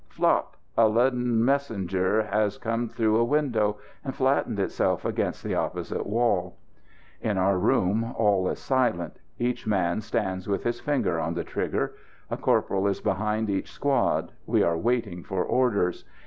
Flop! a leaden messenger has come through a window, and flattened itself against the opposite wall. In our room all is silent. Each man stands with his finger on the trigger; a corporal is behind each squad; we are waiting for orders.